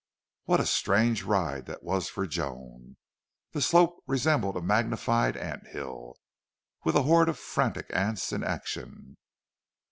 What a strange ride that was for Joan! The slope resembled a magnified ant hill with a horde of frantic ants in action.